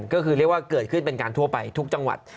ก็คือเรียกว่าเกิดขึ้นเป็นการทั่วไปทุกจังหวัด